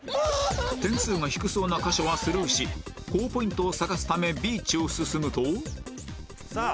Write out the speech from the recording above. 点数が低そうな箇所はスルーし高ポイントを探すためビーチを進むとさあ。